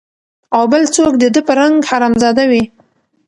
او بل څوک د ده په رنګ حرامزاده وي